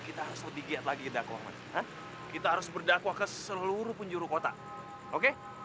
kita harus berdakwah ke seluruh punjurukota oke